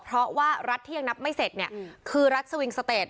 เพราะว่ารัฐที่ยังนับไม่เสร็จเนี่ยคือรัฐสวิงสเตจ